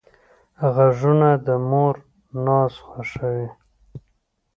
غوږونه د مور ناز خوښوي